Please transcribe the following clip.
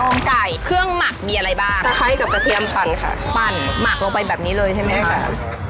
แล้วก็อันนี้เป็นมีชูรสกับน้ำตาลแล้วก็เกลือค่ะ